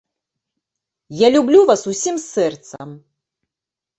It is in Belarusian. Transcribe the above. Я люблю вас усім сэрцам.